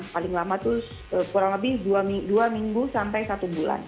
paling lama itu kurang lebih dua minggu sampai satu bulan